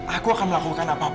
aku akan melakukan apapun